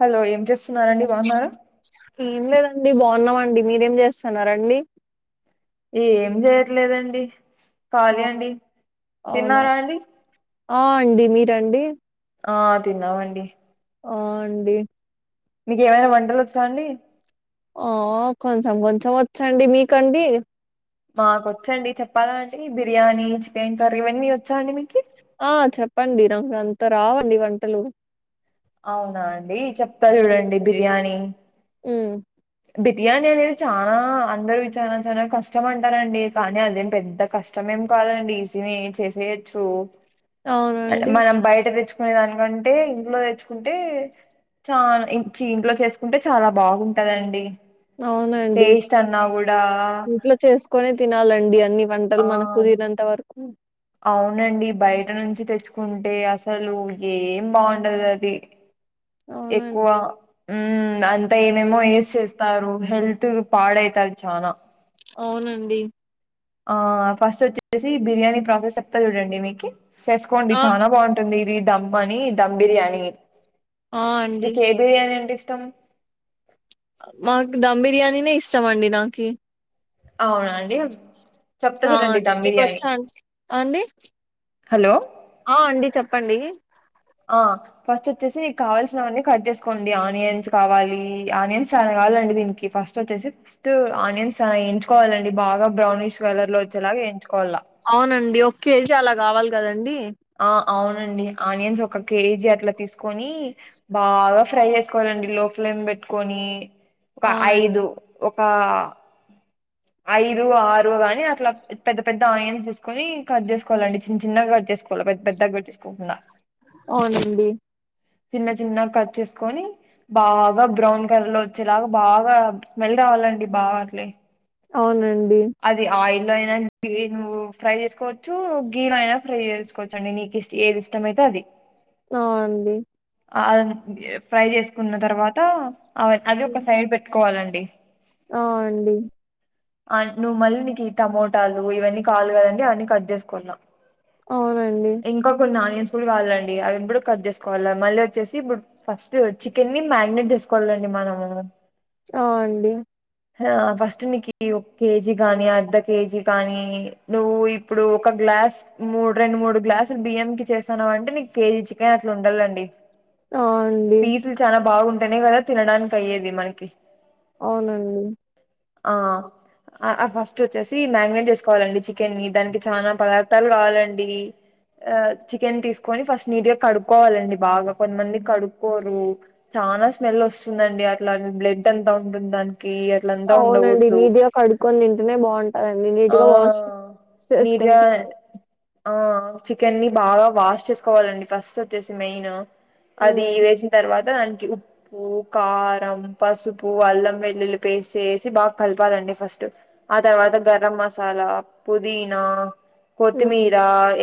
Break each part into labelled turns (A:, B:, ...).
A: Hello ఏం చేస్తున్నారండి బాగున్నారా
B: ఏం లేదండి బాగున్నామండి మీరేం చేస్తున్నారండి
A: ఏం చేయట్లేదండి
B: ఆ
A: ఖాళీ అండి
B: అవునా
A: తిన్నారా అండి
B: ఆ అండి మీరండి
A: ఆ తిన్నామండి
B: ఆ అండి
A: మీకు ఏమైనా వంటలు వచ్చా అండి
B: ఆ కొంచెం కొంచెం వచ్చండి మీకండి.
A: మాకు వచ్చండి చెప్పాలా అండి బిర్యానీ చికెన్ కర్రీ ఇవన్నీ వచ్చా అండి మీకి
B: ఆ చెప్పండి నాకు అంత రావండి వంటలు
A: అవునా అండి చెప్తా చూడండి బిర్యానీ
B: ఉమ్
A: బి బిర్యానీ అనేది చానా అందరు చానా చానా కష్టం అంటారండి కానీ అదేం పెద్ద కష్టమేం కా కాదండి ఈసినే చేసేయొచ్చు
B: అవునండి
A: మనం బయట తెచ్చుకునే దానికంటే ఇంట్లో తెచ్చుకు కుంటే చానా చి ఇంట్లో చేసుకుంటే చాలా బాగుంటదండి
B: అవునండి
A: టేస్ట్ అన్నా కూడా
B: ఇంట్లో చేసుకొని తినాలండి అన్ని వం
A: ఆ
B: పంటలు మనకు కుదిరినంత వరకు
A: అవునండి బయట నుంచి తెచ్చుకుంటే అసలు ఏం బాగుండదు అది ఎక్కువ
B: అవునండి
A: ఉమ్ అంతా ఏమేమో ఏసీ చేస్తారు హెల్త్ పాడైతాది చాన
B: అవునండి
A: ఆ ఫస్ట్ వచ్చేసి బిర్యానీ ప్రాసెస్ చెప్తా చూడండి మీకి చేసుకోండి
B: ఆ
A: చాన
B: చ-
A: బాగుంటుంది ఇది ధమ్ అని ధమ్ బిర్యానీ
B: ఆ అండి
A: మీకు ఏ బిర్యానీ అంటే ఇష్టం
B: మాకు ధమ్ బిర్యానీనే ఇష్టం అండి నాకి
A: అవునాండి
B: ఆవును మీకు వచ్చా అం అండి
A: హలో
B: ఆ అండి చెప్పండి
A: ఆ ఫస్ట్ వచ్చేసి నీకు కావాల్సినవన్నీ కట్ చేసుకోండి ఆనియన్స్ కావాలి ఆనియన్స్ చన కావ డి దీనికి ఫస్ట్ వచ్చేసి ఫస్ట్ ఆనియన్స్ చానా ఎయించుకోవాలి అండి బాగా బ్రౌనిష్ కలర్ లో వచ్చేలాగ ఎయించుకోవాల
B: అవునండి ఒక కేేజీ అలా కావాలి కదండి
A: ఆ అవునండి ఆనియన్స్ ఒక కేజీ అట్లా తీసుకొని బాగా ఫ్రై చేసుకోవాలండి లో ఫ్లేమ్ పెట్టుకొని ఒక
B: అవునండి
A: ఐదు ఒక ఐదు ఆరు గాని అట్లా పెద్ద పెద్ద ఆనియన్స్ తీసుకొని కట్ చేసుకోవాలండి చిన్న చిన్నగా కట్ చేసుకోవాలి పెద్దగా పెట్టికుంటున్నా [unintelligible]
B: అవునండి
A: చిన్న చిన్న గా కట్ చేసుకొని బాగా బ్రౌన్ కలర్ లో వచ్చేలాగా బాగా స్మెల్ రావాల ండి బావలే [unintelligible]
B: అవునండి
A: అది ఆయిల్ లో అయినా నువ్వు ఫ్రై చేసుకోవచ్చు గీలో అయినా ఫ్రై చేసుకోవచ్చు అండి నీకు ఏది ఇష్టం అయితే అది అది
B: అవు అండి
A: అ ఫ్రై చేసుకున్న తర్వాత అ అది ఒక సైడ్ పెట్టుకోవాలండి
B: అవు అండి
A: నువ్వు మళ్ళీ నీకు ఈ టమోటాలు ఇవన్నీ కావలి కదండి అవన్నీ కట్ చేసుకోందాం
B: అవునండి
A: ఇంకా కొన్ని ఆనియన్స్ అవి ఇప్పుడు కట్ చేసుకోవాలి మళ్ళీ వచ్చేసి ఇప్పుడు ఫస్ట్ చికెన్ ని మ్యారినేట్ చేసుకోవాలండి మనం
B: అవు అండి
A: హ ఫస్ట్ నికి కేజీ గాని అర్ధ కేజీ కగాని నువ్వు ఇప్పుడు ఒక గ్లాస్ మూడు రెండు మూడు గ్లాస్ గ్లాస్ డు బియ్యం కి చేసాను అంటే నీకు కేజీ చికెన్ అట్లా ఉండాలండి
B: ఆ అండి
A: పీసులు చాలా బాగుంటానే కదా తినడానికి అయ్యేది మనకి
B: అవునండి
A: ఆ ఆ ఫస్ట్ వచ్చేసి మ్యాగినేట్ చేసుకోవాలండి చికెన్ని ని దానికి చానా పదార్థాలు కావాలండి ఆ చికెన్ తీసుకొని ఫస్ట్ నీట్ గా కడుక్కోవాలండి బాగా కొంతమంది కడుక్కోరు చానా స్మెల్ వస్తుందండి అట్లా బ్లడ్ అంత ఉంటుంది దానికి అట్ల అంత ఉండకూడదు
B: కొన్ని తింటేనే బాగుంటందండి
A: ఆ
B: నీట్గా వాష్ చేసుకొని
A: నీట్గా
B: తినాలి
A: ఆ చికెన్ ని బాగా వాష్ చేసుకోవాలండి ఫస్ట్ వచ్చేసి మెయిన్ అది
B: ఉమ్
A: వేసిన తర్వాత దానికి ఉప్పు కారం పసుపు అల్లం వెల్లుల్లి పేస్ట్ ఏసేసి బాగా కలపాలండి ఫస్ట్ ఆ తర్వాత గరం మసాలా పుదీనా
B: ఉమ్
A: కొత్తిమీర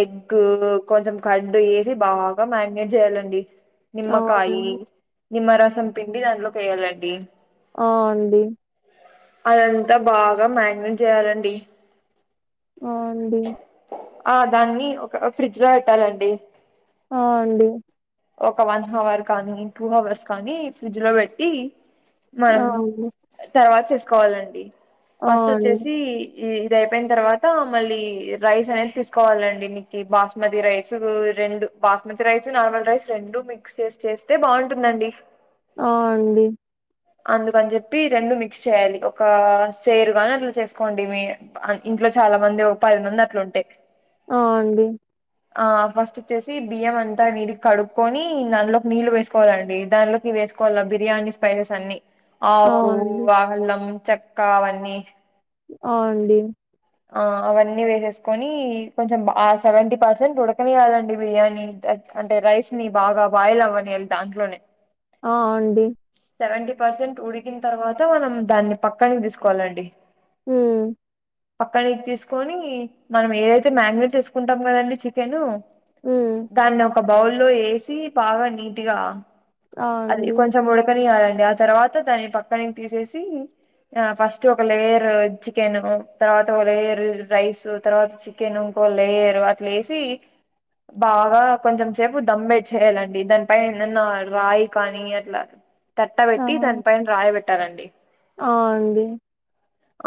A: ఎగ్ గ్ కొంచెం కడ్డు వేసి బాగా మ్యరి నేట్ చెయాలండి నిమ్మకాయి
B: అవునండి
A: నిమ్మ రసం పిండి దానిట్లోకి వేయ్యాలండి
B: ఆ అండి
A: అదంతా బాగా మ్యారినేట్ చేయాలండి
B: ఆ అండి
A: ఆ దాన్ని ఒక ఫ్రిడ్జ్ లో పెట్టాలండి
B: ఆ అండి
A: ఒక వన్ హవర్ కానీ టూ హవర్స్ కానీ ఫ్రిడ్జ్ లో పెట్టి
B: ఆ
A: మనం
B: అండి
A: తర్వాత చేసుకోవాలండి ఫస్ట్ వచ్చేసి ఈ ఇది అయిపోయిన తర్వాత మళ్ళీ రైస్ అనేది తీసుకోవాలండి నీకు బాస్మతి రైస్ రెండు బాస్మతి రైస్ నార్మల్ రైస్ రెండు మిక్స్ చేసి చేస్తే బాగుంటుందండి
B: ఆ అండి
A: అందుకని చెప్పి రెండు మిక్స్ చేయాలి ఒక సేరువా అని అట్లా చేసుకోండి మీ ఇంట్లో చాలా మంది ఒక పది మంది అట్లుంటే
B: అ అండి
A: ఆ ఫస్ట్ వచ్చేసి బియ్యం అంతా నీట్ గా కడు క్కొని అందులోకి నీళ్ళు వేసుకోవాలండి దానిలోకి వేసుకోవాల బిర్యానీ స్పైసెస్ అన్ని
B: ఆ
A: ఆకు
B: అండి
A: ఆల్లం చెక్క అవన్నీ
B: ఆ అండి
A: ఆ అవన్నీ వేసేసుకొని కొంచెం ఆ సెవెంటీ పర్సెంట్ ఉడకనియాలండి బిర్యానీ అంటే రైస్ ని బాగా బాయిల్ అవ్వనియాలి దాంట్లోనే
B: ఆ అండి
A: సెవెంటీ పర్సెంట్ ఉడికిన తర్వాత మనం దాన్ని పక్కని తీసుకోవాలండి
B: ఉం
A: పక్కనికి తీసుకొని మనం ఏదైతే మ్యారినేట్ చేసుకుంటాం కదండి చికెన్
B: ఉం
A: దాన్ని ఒక బౌల్ లో వేసి బాగా నీట్ గా
B: ఆ
A: అది
B: అండి
A: కొంచెం ఉడకని ఆ తర్వాత దాన్ని పక్కనికి తీసేసి ఆ ఫస్ట్ ఒక లేయర్ చికెన్ తర్వాత ఒక లేయర్ రైస్ తర్వాత చికెన్ ఓ లేయరు అట్లే వేసి బాగా కొంచెం సేపు దమ్మెసి చేయాలండి దానిపై నిన్న రాయి కానీ అట్ల తట్టబెట్టి దాని పైన రాయిబెట్టాలండి
B: అ అండి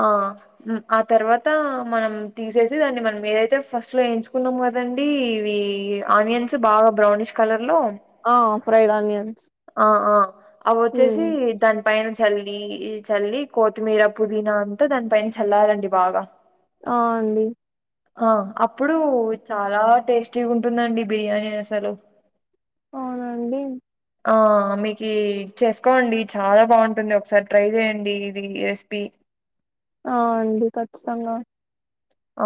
A: ఆ ఆ తర్వాత మనం తీసేసి దాన్ని మనం ఏదైతే ఫస్ట్ లో ఎయించుకున్నాం కదండి ఇవి ఆనియన్స్ బాగా బ్రౌనిష్ కలర్ లో
B: ఆ ఫ్రైడ్ ఆనియన్స్
A: ఆ అవోచ్చేసి
B: హ్మ్
A: దానికి పైన చల్లి చల్లి కొతిమీర పుదీనా అంతా దాని పైన చల్లాలండి బాగా
B: అ అండి
A: ఆ అప్పుడు చాలా టేస్టీ ఉంటుందండి బిర్యానీ అసలు
B: అవునండి.
A: ఆ మీకి చేసుకోండి చాలా బాగుంటుంది ఒకసారి ట్రై చేయండి ఇది రెసిపీ
B: ఆ అండి ఖచ్చితంగా
A: ఆ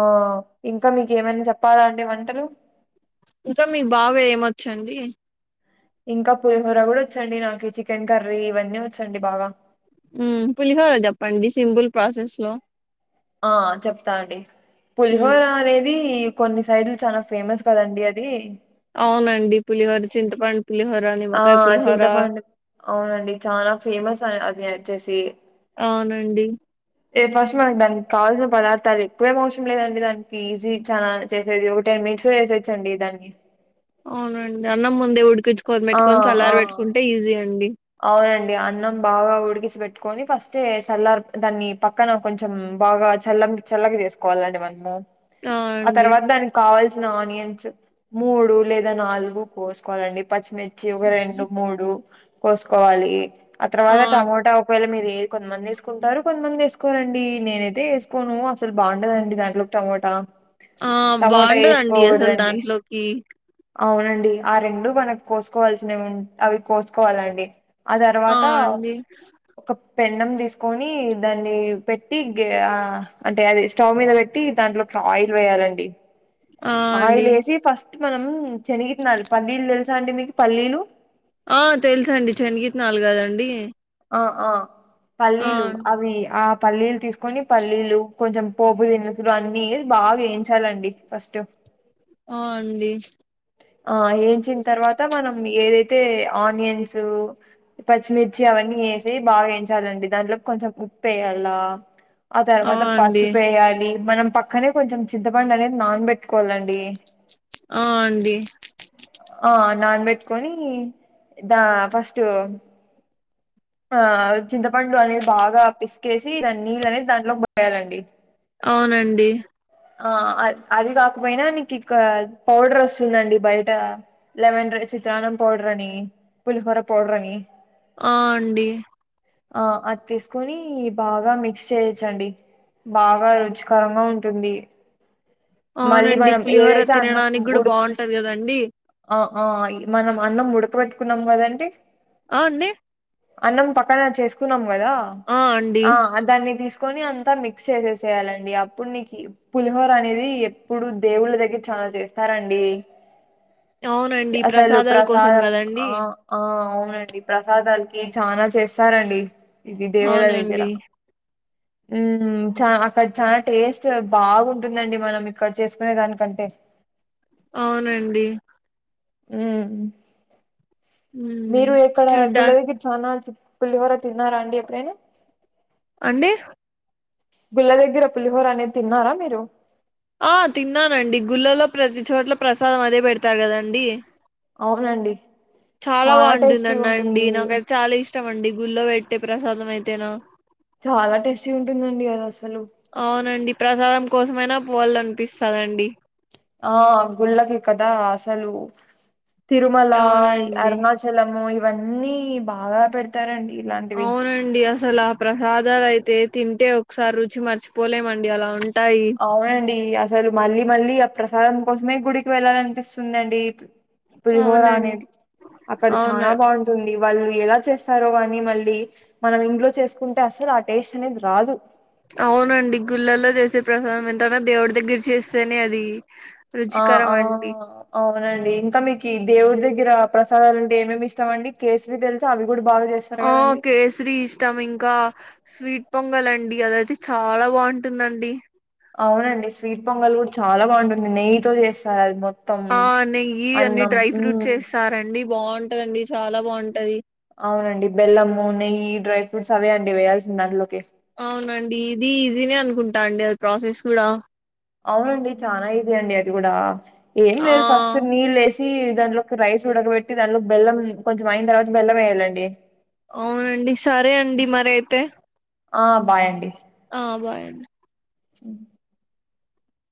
A: ఇంకా మీకు ఏమన్నా చెప్పాలా అండి వంటలు
B: ఇంకా మీ బావ ఏమొచ్చండి
A: ఇంకా పులిహోర కూడా వచ్చండి నాకు చికెన్ కర్రీ ఇవన్నీ వచ్చండి బాగా
B: హ్మ్ పులిహార చెప్పండి సింపుల్ ప్రాసెస్ లో
A: ఆ చెప్తా అండి
B: హ్మ్
A: పులిహోర అనేది ఇది కొన్ని సైడ్లు చాలా ఫేమస్ కదండి అది
B: అవునండి పులిహార చింతపండు పులిహోర
A: ఆ
B: నిమ్మకాయ పులిహోర
A: చింతపండు అవునండి చాలా ఫేమస్ అది వచ్చేసి
B: అవునండి
A: ఏ ఫస్ట్ మనకు దానికి కావాల్సిన పదార్థాలు ఎక్కువేం అవసరం లేదండి దానికి ఈజీ చాలా చేసేది ఒక టెన్ మినిట్స్ చేసేచ్చండి దాన్ని
B: అవునండి అన్నం ముందే ఉడికించుకొని
A: ఆ
B: పెట్టుకొని
A: ఆ
B: చల్లార పెట్టుకుంటే ఈజీ అండి
A: అవునండి అన్నం బాగా ఉడికి ఉడిసి పెట్టుకొని ఫస్ట్ చల్లార్ దాన్ని పక్కన కొంచెం బాగా చల్ల చల్లకి చేసుకోవాలండి ఆ తర్వాత దానికి కావాల్సి ఆనియన్స్ మూడు లేదా నాలుగు కోసుకోవాలండి మిర్చి ఒక రెండు మూడు కోసుకోవాలి ఆ తరువాత టమాట ఒక కొంతమంది వేసుకుంటారు కొంతమంది వేసుకోరండి నేనైతే వేసుకోను అసలు బాగుండదండి దాంట్లోకి టమోటా
B: ఆ
A: టమోటా
B: బాగుండదండి అసలు
A: వేసుకోకూడదండి
B: దాంట్లోకి
A: అవునండి ఆ రెండు మనకు కోసుకోవాల్సినవి అవి కోసుకోవాలండి ఆ తర్వాత ఒక పెన్నం తీసుకొని దాన్ని పెట్టి అంటే అది స్టవ్ మీద పెట్టి దాంట్లో ఆయిల్ వేయాలండి
B: ఆ
A: ఆయిల్
B: అండి
A: వేసి ఫస్ట్ మనం చెనిగిత్తనాలు పల్లీలు తెలుసా అండి మీకు పల్లీలు
B: ఆ తెలుసు అండి చెనిగిత్తనాలు గదండి
A: ఆ ఆ పల్లీలు అవి ఆ పల్లీలు తీసుకొని పల్లీలు కొంచెం పోపు దినుసులు అన్ని బాగా వేయించాలండి ఫస్ట్
B: ఆ అండి
A: ఆ వేయించిన తర్వాత మనం ఏదైతే ఆనియన్స్ పచ్చిమిర్చి అవన్నీ వేసి బాగా వేయించాలండి దాంట్లో కొంచెం ఉప్పు వేయాల్లా ఆ తర్వాత పసుపేయాలి మనం పక్కనే కొంచెం చింతపండు అనేది నానబెట్టుకోవాలండి
B: ఆ అండి
A: నాన్ బెట్టుకొని దా ఫస్ట్ ఆ చింతపండు అనేది బాగా పిసికేసి దాని నీళ్ళు అనేది దాంట్లోకి పోయాలండి
B: అవునండి
A: ఆ అది కాకపోయినా నీకు ఇక పౌడర్ వస్తుందండి బయట లెమన్ రైస్ చిత్రాన్నం పౌడర్ అని పులిహోర పౌడర్ అని
B: ఆ అండి
A: ఆ అది తీసుకొని బాగా మిక్స్ చేయచ్చండి బాగా రుచికరంగా ఉంటుంది మళ్ళీ
B: అవునండి.
A: మనం
B: పులిహోర
A: ఏదైతే అన్నం
B: తినడానికి గూడా
A: ఉడుకు
B: బావుంటది గదండీ!
A: ఆ ఆ ఈ మనం అన్నం ఉడకబెట్టుకున్నాం కదండి
B: ఆ అండి
A: అన్నం పక్కన చేసుకున్నాం కదా
B: ఆ! అండి.
A: ఆ దాన్ని తీసు కోని అంతా మిక్స్ చేసేసేయాలండి అప్పుడు నీ పులిహోర అనేది ఎప్పుడు దేవుళ్ళ దగ్గర చల చేస్తారండి
B: అవునండి.
A: అసలు
B: ప్రసాదాల కోసం
A: ప్రసాదం
B: గదండీ!
A: ఆ ఈ ప్రసాదాలకి చానా చేస్తారండి ఇది దేవుల దగ్గర
B: అవునండి. [inaudible]
A: హ్మ్ చానా అక్కడ చాలా టేస్ట్ బాగుంటుందండి మనం ఇక్కడ చేసుకునే దానికంటే
B: అవునండి హ్మ్.
A: మీరు ఎక్కడ
B: చూడ్డా
A: గుల్ళ దగ్గర చాలా పులిహార తిన్నారా అండి ఎప్పుడేనా
B: అండి
A: గుల్ల దగ్గర పులిహోర అనేది తిన్నారా మీరు
B: ఆ తిన్నానండి గుళ్ళలో ప్రతి చోట్ల ప్రసాదం అదే పెడతారు కదండి
A: అవునండి
B: చాలా బాగుంటుంద
A: టేస్టీగా
B: అన్న అండి
A: ఉంటుంది
B: నాకైతే చాలా ఇష్టం అండి గుళ్ల్లో పెట్టే ప్రసాదం అయితేనా
A: చాలా టేస్టీ ఉంటుందండి అది అసలు
B: అవునండి ప్రసాదం కోసమైనా పోవాళ్ళ అనిపిస్తందండి
A: ఆ గుళ్ళకి కదా అసలు తిరుమల
B: అవునండి
A: అరుణాచలము ఇవన్నీ బాగా పెడతారండి ఇలాంటివి
B: అవునండి అసలు ఆ ప్రసాదాలు అయితే తింటే ఒకసారి రుచి మర్చిపోలేమండి అలా ఉం
A: అవునండి అసలు మళ్ళీ మళ్ళీ ఆ ప్రసాదం కోసమే గుడికి వెళ్ళాలనిపిస్తుందిండి పులిహోర అనే
B: అవునండి
A: అక్కడ
B: అవును
A: చాలా బాగుంటుంది వాళ్ళు ఎలా చేస్తారో కాని మళ్ళీ మనం ఇంట్లో చేసుకుంటే అసలు ఆ టేస్ట్ అనేది రాదు
B: అవునండి గుళ్ళల్లో చేసే ప్రసాదం ఎంతన్నా దేవుడి దగ్గర చేస్తేనే అది
A: ఆ
B: రుచికరం
A: ఆ
B: అండి
A: అవునండి ఇంకా మీకు ఈ దేవుడి దగ్గర రా ప్రసాదాలు అంటే ఏమేమి ఇష్టం అండి కేసరి తెలుసా అవి కూడా బాగా చేస్తారు
B: ఆ
A: కదండి
B: కేసరి ఇష్టం ఇంకా స్వీట్ పొంగల్ అంటే అండి అదయితే చాలా బాగుంటుందండి
A: అవునండి స్వీట్ పొంగల్ కూడా చాలా బాగుంటుంది నెయ్యితో చేస్తారది మొత్తం
B: ఆ నెయ్యి అన్ని
A: అన్నం
B: డ్రై ఫ్రూట్స్
A: మ్మ్
B: వేస్తారండి బాగుంటదండి చాలా బాగుంటది
A: అవునండి బెల్లము నెయ్యి డ్రై ఫ్రూట్స్ అవే అండి వేయాల్సింది దాంట్లోకి
B: అవునండి ఇది ఈజీనే అనుకుంటా అండి అది ప్రాసెస్ కూడా
A: అవునండి చాలా ఈజీ అండి అది కూడా ఏం
B: ఆ
A: లేదు ఫస్ట్ నీళ్ళేసీ దాంట్లోకి రైస్ ఉడకబెట్టి దానిలోకి బెల్లం కొంచెం అయిన తర్వాత బెల్లం వేయ్యాలండి
B: అవునండి సరే అండి మరి అయితే
A: ఆ బాయ్ అండి
B: ఆ బాయ్ అండి
A: అ